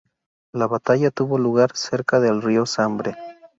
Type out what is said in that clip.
La batalla tuvo lugar cerca del río Sambre.